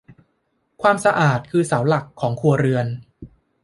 ความสะอาดคือเสาหลักของครัวเรือน